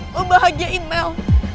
lo bahagiain mel